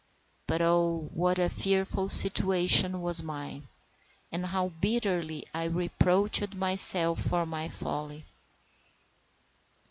But oh, what a fearful situation was mine, and how bitterly I reproached myself for my folly!